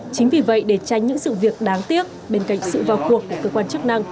chính vì vậy để tránh những sự việc đáng tiếc bên cạnh sự vào cuộc của cơ quan chức năng